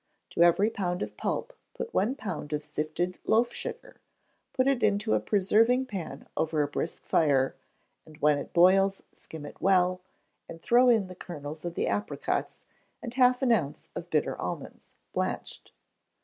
To every pound of pulp put one pound of sifted loaf sugar, put it into a preserving pan over a brisk fire, and when it boils skim it well, and throw in the kernels of the apricots and half an ounce of bitter almonds, blanched.